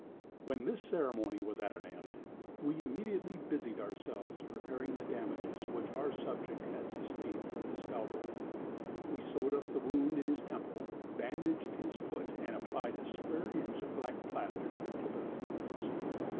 When this ceremony was at an end, we immediately busied ourselves in repairing the damages which our subject had sustained from the scalpel. We sewed up the wound in his temple, bandaged his foot, and applied a square inch of black plaster to the tip of his nose.